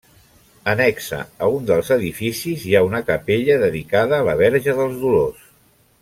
Annexa a un dels edificis hi ha una capella dedicada a la Verge dels Dolors.